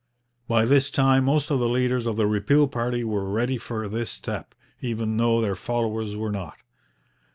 By this time most of the leaders of the repeal party were ready for this step, even though their followers were not.